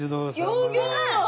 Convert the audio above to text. ギョギョ！